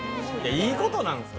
いいことなんすか？